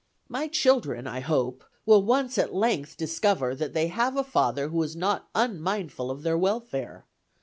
"My children, I hope, will once at length discover that they have a father who is not unmindful of their welfare.